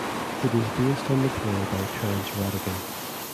It was based on the play by Terence Rattigan.